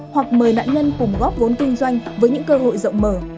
hoặc mời nạn nhân cùng góp vốn kinh doanh với những cơ hội rộng mở